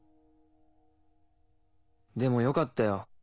でもよかったよ